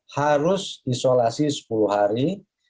harus isolasi sepuluh hari